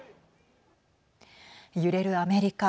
揺れるアメリカ。